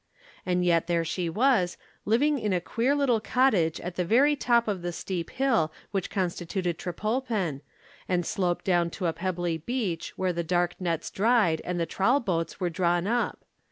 And yet there she was, living in a queer little cottage on the very top of the steep hill which constituted Trepolpen, and sloped down to a pebbly beach where the dark nets dried and the trawl boats were drawn up.